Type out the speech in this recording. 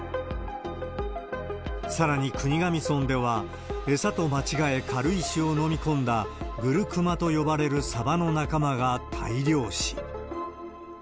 さらに国頭村では、餌と間違え軽石を飲み込んだ、グルクマと呼ばれるサバの仲間が大量死。